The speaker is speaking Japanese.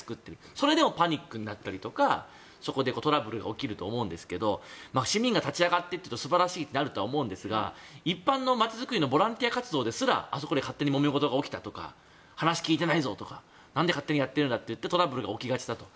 それでもパニックになったりとかそこでトラブルが起きると思うんですけど市民が立ち上がってっていうと素晴らしいと思うんですが一般の街づくりのボランティア活動ですらあそこで勝手にもめごとが起きたとか話聞いてないぞとかなんで勝手にやってるんだとトラブルが起きがちだと。